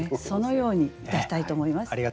そのようにいたしたいと思います。